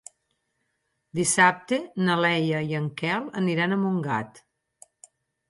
Dissabte na Lea i en Quel aniran a Montgat.